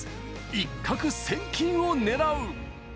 一攫千金を狙う！